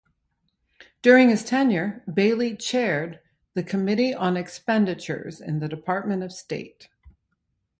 During his tenure Bailey chaired the Committee on Expenditures in the Department of State.